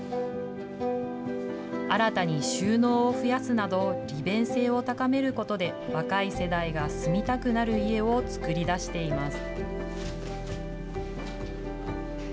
新たに収納を増やすなど、利便性を高めることで、若い世代が住みたくなる家を作り出しています。